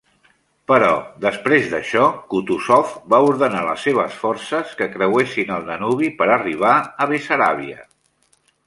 Però després d'això, Kutuzov va ordenar les seves forces que creuessin el Danubi per arribar a Bessaràbia.